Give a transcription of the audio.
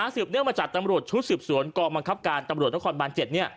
เนื่องมาจากตำรวจชุดสืบสวนกองบังคับการตำรวจนครบาน๗